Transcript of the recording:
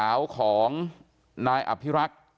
ความปลอดภัยของนายอภิรักษ์และครอบครัวด้วยซ้ำ